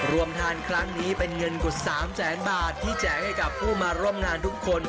รวมทานครั้งนี้เป็นเงินกว่า๓แสนบาทที่แจกให้กับผู้มาร่วมงานทุกคน